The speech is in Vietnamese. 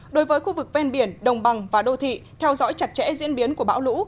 đối với khu vực ven biển đồng bằng và đô thị theo dõi chặt chẽ diễn biến của bão lũ